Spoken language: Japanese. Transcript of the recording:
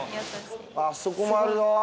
あっそこもあるわ。